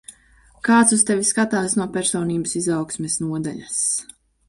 Kāds uz tevi skatās no personības izaugsmes nodaļas.